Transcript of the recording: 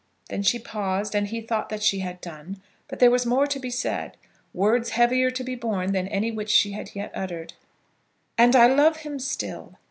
Then she paused, and he thought that she had done; but there was more to be said, words heavier to be borne than any which she had yet uttered. "And I love him still.